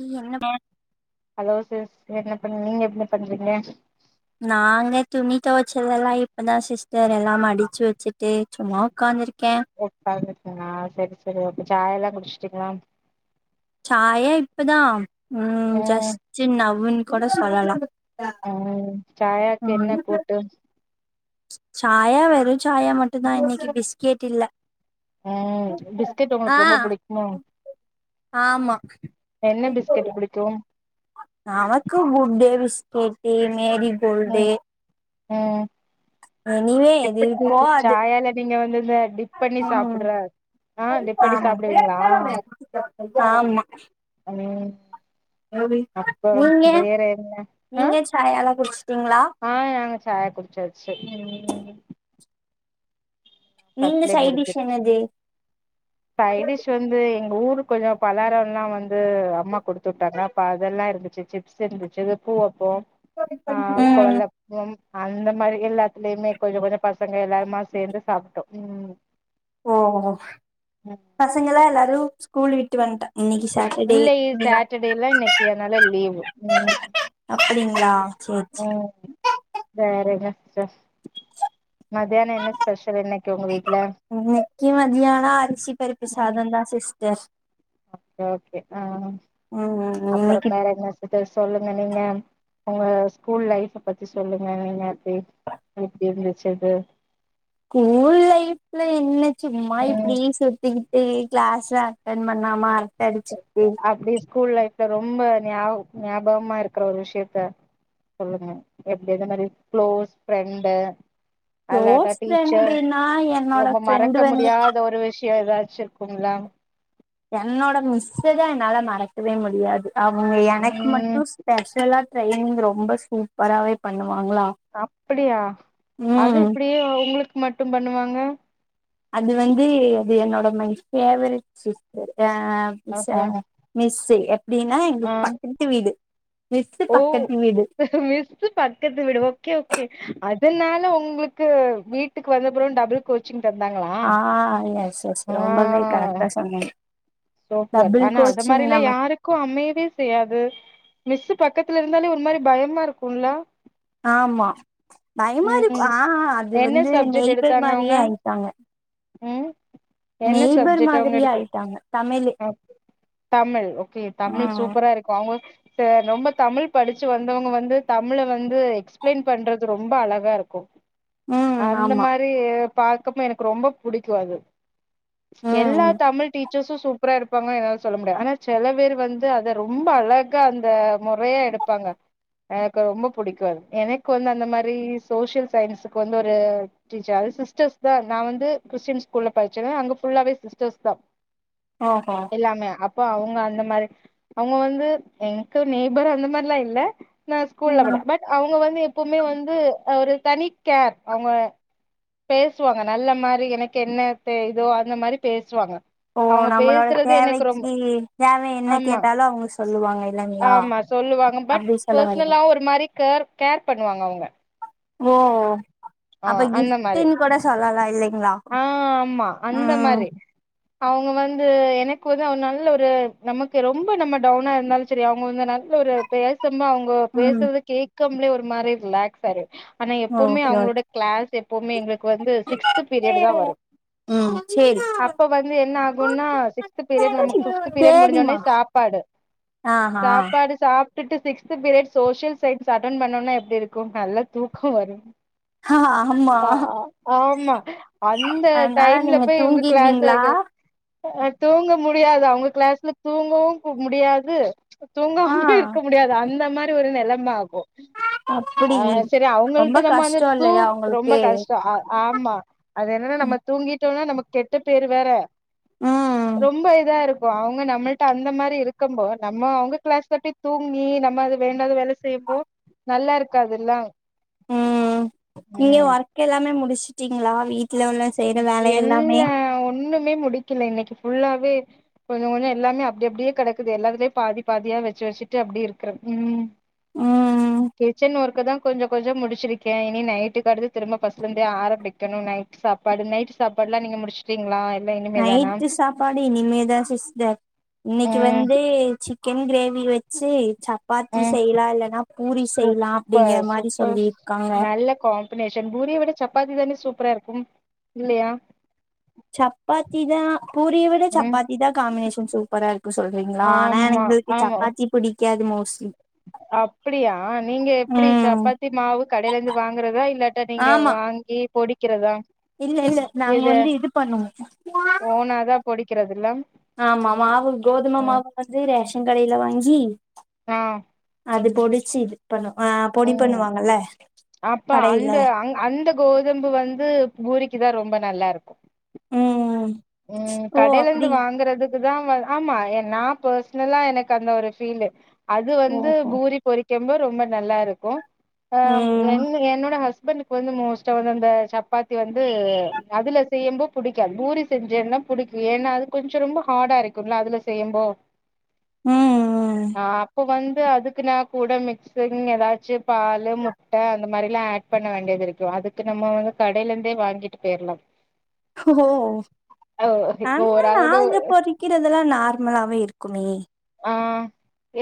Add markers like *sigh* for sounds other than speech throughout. இ என்னமே hello sis என்ன பண் நீங்க என்ன பண்றீங்க நாங்க துணி துவைச்சது எல்லா இப்பதா சிஸ்டர் எல்லா மடுச்சு வெச்சுட்டு சும்மா உக்காந்திருக்க உக்காந்திருக்கனா செரி செரி ஓகே சாயால்லா குடுச்சுட்டீங்களா சாயா இப்பதா ம் ஜஸ்ட்டு நவ்வுன்னு கூட சொல்லலா அ சாயாக்கு ம் என்ன கூட்டு சாயா வெறு சாயா மட்டுந்தா இன்னக்கு பிஸ்கெட் இல்ல அ பிஸ்கெட்டு ஆ உங்களுக்கு ரொம்ப புடிக்மோ ஆமா என்ன பிஸ்கெட் புடிக்கு நமக்கு குட்டே பிஸ்கெட்டு மேரி கோல்டு ம் ம் எனிவே எது எப்படி இருக்கோ நீங்க அது சாயால நீங்க வந்து இந்த டிப் பண்ணி ம் சாப்புடுற ஆமா ஆமா ம் அப்புறம் நீங்க வேற என்ன ஆ நீங்க சாயலா குடிச்சிட்டீங்ளா ஆ நாங்க சாயா குடிச்சாச்சி நீங்க ஃபர்ஸ்ட்லயே சைட் முடிஞ்சிருச்சு டிஷ் என்னதே சைடிஷ் வந்து எங்க ஊருக் கொஞ்ச பலாரம்லா வந்து அம்மா கொடுத்து வுட்டாங்க அப்ப அதெல்லா இருந்துச்சி சி சிந்துச்சு பூவப்போ ஆ ம் கொழல்ல அந்த மாரி எல்லாத்துலயுமே கொஞ்ச கொஞ்ச பசங்க எல்லாருமா சேந்து சாப்ட்டோ ம் ஓ ம் பசங்கல்லா எல்லாரு ஸ்கூல் விட்டு வந்துட்ட இன்னிக்கி சாட்ட இல்லை சாட்டர்டேல இன்னக்கி அதனால லீவு ம் அப்டிங்ளா சேர் சே ம் வேற என்ன சிஸ்டர் மதியானொ என்ன ஸ்பெஷல் இன்னைக் இன்னக்கி மதியானோ அரிசி பருப்பு சாதந்தா சிஸ்டர் ஓகே ஓகே அ ம் அப்பறம் இன்னைக்கு வேற என்ன இது சொல்லுங்க நீங்க உங்க ஸ்கூல் லைஃப பத்தி சொல்லுங்க நீங்க பே அப்டின் வெச்சது ஸ்கூல் லைஃப்ல என்ன சும்மா ம் இப்படீ சுத்திக்கிட் ஏ க்ளாஸ்ல அட்டண் பண்ணாமா அரட்ட அடிச்சு அப்டி ஸ்கூல் லைஃப்ல ரொம்ப ஞா ஞாபகமா இருக்குற ஒரு விஷயத்த சொல்லுங்க எப்டி எந்தமாரி க்ளோஸ் ஃபிரெண்டு அல்லாட்டா க்ளோஸ் டீச்சர் ஃப்ரெண்டுனா என்னோட ரொம்ப ஃப்ரெண்டு மறக்க வந்து முடியாத ஒரு விஷய ஏதாச்சு இருக்கும்ல என்னோட மிஸ்ஸ தா என்னால மறக்கவே முடியாது அவுங்க எனக்கு ம் மட்டு ஸ்பெஷலா ட்ரெயினிங் ரொம்ப சூப்பராவே பண்ணுவாங்ளா அப்டியா அது எப்டி உங்களுக்கு மட்டும் பண்ணுவாங்க அது வந்து அது என்னோட மை பேவரட் சிஸ்டர் அ மிஸ் அ அப்ப மிஸ்ஸு எப்டின்னா ஆ எங்களுக் பக்கத்து வீடு மிஸ்ஸு ஓ பக்கத்து வீடு மிஸ்ஸு பக்கத்து வீடு ஓகே ஓகே அதனால ஒங்ளுக்கு வீட்டுக்கு வந்தப்புற டபுள் கோச்சிங் தந்தாங்களா ஆ எஸ் எஸ் ஆ ரொம்பவே கரெக்டா சொன்னீங்க சூப்பர் டபுள் ஆனா அது கோச்சிங் மாரில்லா நமக் யாரு க்கூ அமையவே செய்யாது மிஸ்ஸு பக்கத்துல இருந்தாலே ஒரு மாரி பயமா இருக்கூல ஆமா பயமாருக் ம் ஆ அது என்ன வந்து சப்ஜெக்ட் நெய்பர் எடுத்தாங்க அவங்க மாரியே ஆயிட்டாங்க ம் என்ன சப்ஜெக்ட் அவுங்க எடுத்து தாங்க தமிழு தமிழ் ஓகே தமிழ் ம் சூப்பரா இருக்கூ அவுங்க ச ரொம்ப தமிழ் படிச்சு வந்தவுங்க வந்து தமிழ வந்து எக்ஸ்பிளைன் பண்றது ரொம்ப அழகாருக்கூ ம் அந்த ஆமா மாரி பாக்கப்போ எனக்கு ரொம்ப புடிக்கூ அது எல்லா ம் தமிழ் டீச் டீச்சர்ஸ்ஸு சூப்பரா எடுப்பாங்கனு என்னால சொல்ல முடியா ஆனா செல பேரு வந்து அத ரொம்ப அழகா அந்த மொறையா எடுப் ப்பாங்க எனக்கு ரொம்ப புடிக்கூ அது எனக்கு வந்து அந்த மாரி சோசியல் சயின்ஸுக்கு வந்து ஒரு டீச்சர் அது சிஸ்டர்ஸ் தா நாவந்து கிறிஸ்டின் ஸ்கூல்ல படிச்சே அங்க ஃபுல்லாவே சிஸ்டர்ஸ் தா ஆஹா எல்லாமே அப்போ அவுங்க அந்த மாரி அவுங்க வந்து எனக்கு நெய்பர் அந்த மார்லா இல்ல நா ஸ்கூல்ல படேன் பட் அவுங்க வந்து எப்பவுமே வந்து ஒரு தனி கேர் அவுங்க பேசுவாங்க நல்ல மாரி எனக்கு என்ன தே இதோ அந்த மாரி பேசுவாங்க ஓ அவங்க நம்மளோட பேசுறது எனக்கு ரொம்ப தேவைக்கி தேவை என்ன ஆமா கேட்டாலு அவுங்க சொல்லுவாங்க இல்லைங்களா ஆமா சொல்லுவாங்க பட் அப்டி சொல்ல வரீங்க பர்சனலா ஒரு மாதிரி கர் கேர் பண்ணுவாங்க அவுங்க ஓ அப்ப அந்த மாரி கிஃப்டுன்னு கூட சொல்லலா இல்லைங்ளா ஆ ம் அவுங்க வந்து எனக்கு வந்து அவ நல்ல ஒரு நமக்கு ரொம்ப நம்ம டவுனா இருந்தாலும் சேரி அவுங்க வந்து நல்ல ஒரு பேசமா அவுங்க இப்ப ம் பேசுறத கேக்காமலே ஒரு மாரி ரிலாக்ஸ்சாயிருவே ஆனா எப்பவுமே ஓகே அவுங்களோட ஓகே க்ளாஸ் எப்பவுமே எங்களுக்கு வந்து சிக்ஸ்த்து பீரியடு தா வரும் சேரி அப்ப வந்து என்ன ஆகுன்னா சிக்ஸ்த் பீரியட் நமக்கு பிப்த் பீரியட் முடிஞ்சோடனே சேரிமா சாப்பாடு ஆஹா சாப்பாடு சாப் சாப்டுட்டு sixth period social science attend பண்ணோன்னா எப்டி இருக்கும் நல்லா தூக்கோ வரும் ஆமா ஆமா அந்த அதனால டைம்ல நீங்க போய் இவுங்க க்ளாஸ் தூங்கிருவீங்களா வக்கெனு அ தூங்க முடியாது அவுங்க க்ளாஸ்ல தூங்கவும் முடியாது ஆ தூங்காம இருக்க முடியாது அந்த மாரி ஒரு நெலம ஆகு அ அப்டி செரி ரொம்ப அவுங்கள்ட்ட நம்ம வந்து கஷ்டோ தூ இல்லையா ரொம்ப உங்களுக்கு கஷ்டோ ஆ ஆமா அது என்னன்னா நம்ம தூங்கிட்டோனா நமக்கு கெட்ட பேரு வேற ம் ரொம்ப இதா இருக் ப்போ அவுங்க நம்மள்ட்ட அந்த மாரி இருக்கும்போ நம்ம அவுங்க க்ளாஸ்ல போயி தூங்கி நம்ம அது வேண்டாத வேல செய்யப்போ நல்லா இருக்காதுல்லங் ம் நீங்க ஒர்க் எல்லாமே முடிச்சுட்டீங்களா வீட்ல உள்ள செய்ற வேலை இல்ல எல்லாமே ஒண்ணுமே முடிக்கெல இன்னக்கு ஃபுல்லாவே கொஞ்சோ கொஞ்சோ எல்லாமே அப்டி அப்டியே கெடக்குது எல்லாத்துலயு பாதி பாதியா வச்சு வச்சுட்டு அப்டியே இருக்குறன் ம் ம் ம் கிச்சன் ஒர்க்குதா கொஞ்ச கொஞ்ச முடிச்சுருக்கே இனி நைட்டுக்கு அடுத்து திரும்ப பஸ்டுல இருந்தே ஆரம்பிக்கணு நைட்டு சாப் பாடு நைட்டு சாப்பாடுல்லா நீங்க முடிச்சுட் டீங்களா இல்ல இன் நைட்டு சாப்பாடு இனிமேதா சிஸ்டர் இன்னைக்கி ம் வந்து சிக் கென் க்ரேவி வச்சு சப் சப்பாத்தி ம் செய்யலா இல்லன்னா பூரி செய்லா அப்புடிங்கிற மாரி சொல்லி இருக்காங்க இல்ல காம் பினேஷன் பூரிய விட சப்பாத்தி தானே சூப்பரா இருக்கும் இல்லையா சப்பாத்தி தா பூரிய விட ம் சப்பாத்தி தா காம்பினேஷன் சூப்பரா இருக்கு சொல்றீங்களா ஆனா என்ன எங்களுக்கு ஹலோ புடிக்காது மோஸ்லி அப்புடியா நீங்க எப்புடி ம் சப்பாத்தி மாவு கடையில இருந்து வாங்குறதா இல்லாட்ட நீங்க ஆமா வாங்கி பொடிக்கிறதா இல்ல இல்ல நாங்க வந்து இது பண்ணுவோம் ஓனா தாப் பொடிக்கிறது எல்லாம் ஆமா ஆமா மாவும் கோதுமை மாவு வந்து ரேஷன் கடையில வாங்கி மே அது பொடிச்சு இது பண்ணுவ ஆ பொடி பண்ணுவாங்கல அப்பா அந்த அங் அந்த கோதும்பு வந்து பூரிக்கி தா ரொம்ப நல்லா இருக்கு ம் ஹும் ம் கடையில இருந்து வாங்குறது அதுதா வந் ஆமா ஏ நா பெர்ஸ்னலா எனக்கு அந்த ஒரு பீலு அது வந்து ஓஹோ பூரி பொறிக் கெம்ப ரொம்ப நல்லா இருக்கு ஆம் ம் என் என்னோட ஹஸ்ப ட்டுனுக்கு வந்து மோஸ்டா வந்து அந்த சப்பாத்தி வந்து அதுல செய்யும் போத் புடிக்காது பூரி செஞ்சேன்னா புடிக்கு ஏன்னா அது கொஞ்சோ ரொம்ப ஹாடா இருக்குல்ல அதுல செய்யம்போ ம் ம் ஆ அப்ப வந்து அதுக்கு நா கூட மிக்சிங் எதாச்சு பாலு முட்ட அந்த மாரிலா ஆட் பண்ண வேண்டியது இருக்கு அதுக் கு நம்ம வந்து கடைலெந்தே வாங்கிட்டு போயிற்லா ஓ இப்போ அந் மார் ஓரளவுடு நாங்க பொறிக்கிறதெல்லா நார்மலாவே இருக்கும ஆ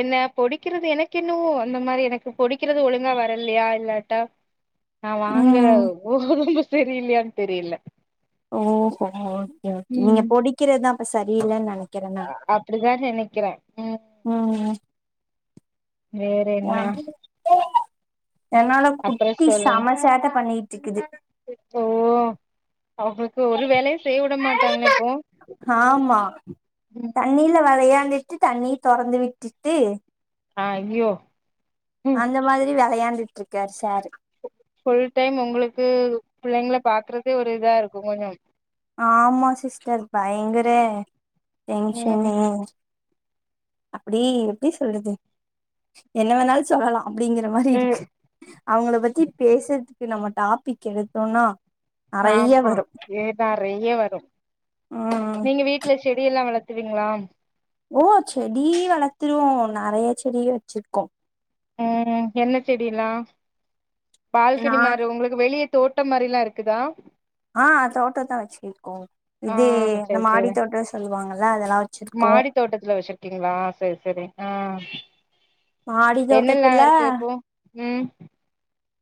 என்ன பொடிக்கிறது எனக்கென்னவோ அந்த மாரி எனக்கு பொடிக்கிறது ஒழுங்கா வரலையா இல்லாட்டா நா வாங்குற ம் கோதும செரியில்லையான் தெரியல. ஓஹோ ஓகே ஓகே நீங்க ம் பொடிக்கிறத்தா அப்ப சரியில்லன் நனை அப்பிடிதா நெனைக்கிறன் ம் ம் வேற என்ன என்னால அப்றோ குட்டி சொல்லுங் செம சேட்ட பண்ணிட்ருக்குது. ஓ அவ ஒரு வேல செய்ய வுட மாட்டாங்ளே இப்போ ஆமா ம் தண்ணில வெளையான்டுட்டு தண்ணி தொறந்து விட்டுட்டு. அய்யோ அந்த மாதிரி வெளையாண்டுட்ருக்கார் சாரு ஃபுல் டைம் உங்களுக்கு பிள்ளைங்ள பாக்கற்கே ஒரு இதா இருக்கு கொஞ்சம் ஆமா சிஸ்டர் பயங்கர ம் டென்ஷனு அப்படி எப்டி சொல்றது என்ன வேணாலு சொல்லலா அப்படிங்கிற மாரி ம் இருக்கு அவுங்கள பத்தி பேசுறதுக்கு நம்ம டாபிக் எடுத்தோனா நறைய வரு நறைய வரு ம் நீங்க வீட்ல செடியெல்லா வளத்துவீங்ளா ஓ செடி வளத்துருவோ நெறைய செடி வெச்சிர்க்கோ ம் என்ன செடியெல்லா நா பால்கனி மாரி உங்குளுக் வெளிய தோட்டம் மாரிலா இருக்குதா? ஆ தோட்டத்தா வெச்சி இருக்கோ ஆ இது இந்த சேரி சேரி மாடித்தோட்டோ சொல்லுவாங்கல்ல அதெல்லா வெச்சிருக்கோ மாடி தோட்டத்துல வெச்சிருக்கீங்ளா சேரி சேரி ஆ மாடி என்னெல்லா இருக்கு தோட்டத்துல இப்போ ம்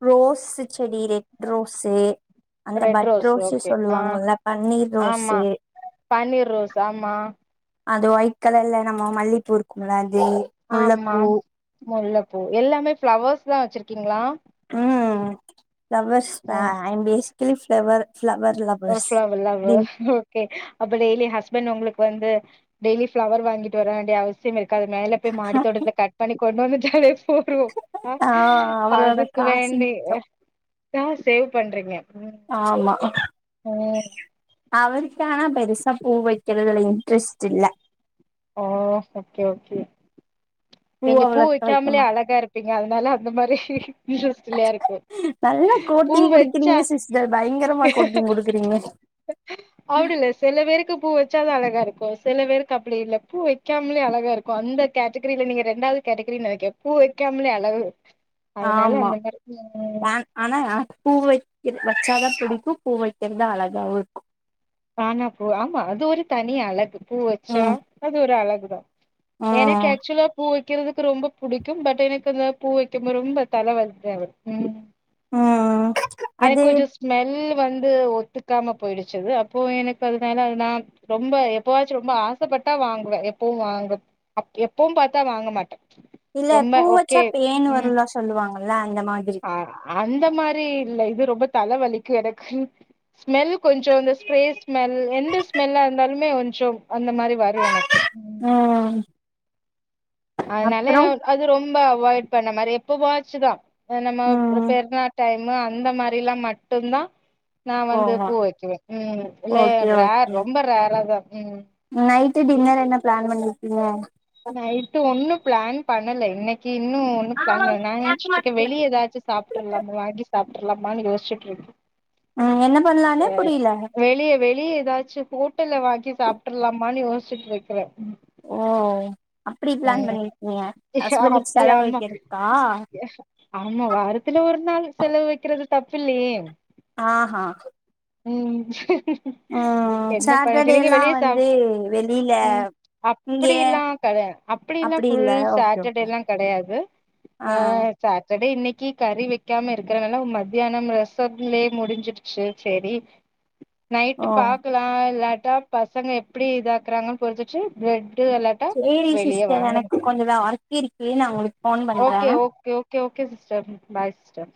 ரோஸு செடி ரெட் ரோஸு அந்த red but rose rose okay ஆ சொல்லுவாங்கல்ல பன்னீர் ஆமா ரோஸு பன்னீர் ரோஸ் ஆமா. அது ஒயிட் கலர்ல நம்ம மல்லிப்பூ இருக்கும்ல அது. ஆம்மா முல்லப்பூ முல்லப்பூ எல்லாமே ஃப்ளவர்ஸ் தா வெச்சிருக்கீங்ளா? ம் flowers a I'm basically flower flower lovers ஓஷியா வெல்லாவே அப்ப டெய்லி ஹஸ்பண் உங்குளுக் வந்து டெய்லி ஃப்ளவர் வாங்கிட்டு வர வேண்டிய அவ சியம் இருக்காது மேல போய் மாடி தோட்டத்துல கட் பண்ணி கொண்டு வந்துட்டாரு. *unintelligible* அ ஆ அவரோட அதுக்கு காசு வேண்டி. மிச்சம் ஆ சேவ் பண்றீங்க ம். ஆமா. ம் அவருக்கானா பெருசா பூ வைக்கிறதுள்ள இன்ட்ரெஸ்டில்ல. ஓ ஓகே ஓகே நீங்க பூ அவ்வளக்கா வைக்க வெக்காமலே மாட் அழகாருப்பீங்க அதனால அந்த மாரி *unintelligible* இருக்கும். நல்லா கோட்டிங் குடிக்கிறீங்க சிஸ் பயங்கரமா கோட்டிங் குடுக்குறீங்க. அப்டி இல்ல சில பேருக்கு பூ வச்சாதா அழகாருக்கும் சில பேருக்கு அப்டி இல்ல பூ வெக் காமலே அழகா ருக்கும் அந்த கேட்டகிரில நீங்க ரெண்டாவது கேட்டகிரினு நெனக்கே பூ வெக்காமலே அழகா ஆமா வான் ஆனா பூ வைக்கிற வச்சாத புடிக்கும் பூ வைக்கறது தா அழகாவும் ருக்கும் ஆனா பூ ஆமா அது ஒரு தனி அழகு பூ வச்சா ம் அது ஒரு அழகுதான் எனக்கு ம் ஆக்சுவலா பூ பூ வெக்கிறதுக்கு ரொம்ப புடிக்கும் பட் எனக்கு ந்த பூ வெக்கும் போது ரொம்ப தல வலிதாவட்டும் ம் எனக்கு அது கொஞ்சோ ஸ்மெல் வந்து ஒத்துக்காம போயிடுச்சுது இப்போ எனக்கு அதுமேல நா ரொம்ப எப்பவாச்சு ரொம்ப ஆசைபட்டா வாங்குவே எப்பவு வாங்க அப் எப்பவும் பாத்தா வாங்க மாட்டே இல்ல பூ வச்சா பேன் வருல சொல்லுவாங்கள்ல அந்த மாதிரி ஆ அந்த மாரி இல்ல இது ரொம்ப தல வலிக்கு எனக்கு ஸ்மெல் கொஞ்சோ இந்த ஸ்ப்ரே ஸ்மெல் எந்த ஸ்மெல்லாக இருந்தாலுமே வொஞ்சோ அந்த மாரி வரும் எனக்கு ம். ஆ அதனால அது ரொம்ப அவாய்ட் பண்ண மாரி எப்ப வாச்சுதான் என்னமோ ம் பெருநாள் டைமு அந்த மாரிலா மட்டுதான் நான் வந்து ஓஹோ பூ வக்குவேன் ம் இல்ல ஓகே ரேர் ஓகே ரொம்ப ரேரா தா ம் நைட்டு டின்னர் என்ன பிளான் பண்ணிருக்கீங்க நைட்டு ஒண்ணும் பிளான் பண்ணல இன்னக் கி இன்னு ஒண்ணு பிளான் பண்ணல நா நெனச்சிட்ருக்கேன் வெளிய ஏதாச்சும் சாப்ட்ரலாமா வாங்கி சாப். பண்லாமாண்ணு யோச்ட்ருக்கே ம் என்ன பண்லானு ஏ புரில வெளிய வெளிய எதாச்சும். ஓடெல்ல வாங்கி சாப்பிட்டுர்லாமான்னு யோசுட்டு இருக்றேன். ஓ அப்டி பிளான் பண்ணிருக்கீங்க. ஹஸ்பண்ட்க்கு அப்டி செலவு ஆமா வக்கிறதுக்கா? ஆமா வாரத்துல ஒரு நாள் செலவு வெக்கிறது தப்பில்லையே. ஆஹான். ம். ஆ என்ன பண்ண செர் நீங்க வெளியே சாப் வெளியில ம் இங்கயே அப்டில்லாம் கெடயாது அப் அப்டில்லா அப்டி இல்ல ஃபுல் சாடர்டேலாம் கெடயாது ஆ சாட்டர்டே இன்னைக்கு கறி வெக்காம இருக்கறனால மத்தியானம் ரசத்துலயே முடிஞ்சிடுச்சு செரி நைட்டு ஓ பாக்கலா இல்லாட்டா பசங்க எப்டி இதாக்குறாங்கன்னு பொறுத்துச்சு ப்ரெட்டு இல்லாட்டா சேரி வெளிய சிஸ்டர் வாங்கனு எனக்கு கொஞ்சோ வே அர்க்கிருக்கு நா ஒங்களுக் okay okay okay okay sister bye sister